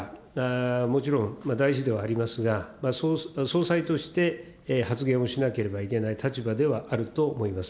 もちろん大事ではありますが、総裁として発言をしなければいけない立場ではあると思います。